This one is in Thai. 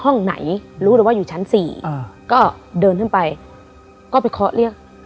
ห้องไหนรู้เลยว่าอยู่ชั้นสี่ก็เดินขึ้นไปก็ไปเคาะเรียก